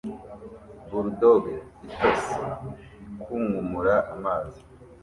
Bulldog itose ikunkumura amazi